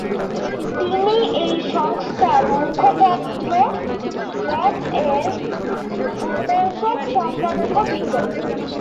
তিনি এই সংস্থার মুখপত্র পথ-এর প্রদর্শক সম্পাদকও ছিলেন।